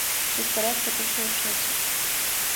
Беспорядки точно начнутся.